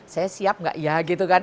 saya siap gak ya gitu kan